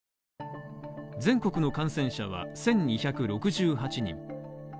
全国の感染者は１２６８人。